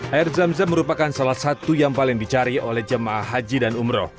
air zam zam merupakan salah satu yang paling dicari oleh jemaah haji dan umroh